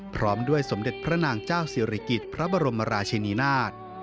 พร้อมด้วยสมเด็จพระนางเจ้าศิริกิจพระบรมราชินีนาฏ